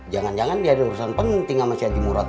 jangan jangan dia diurusan penting sama si haji murot